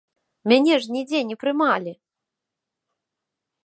Мяне ж нідзе не прымалі!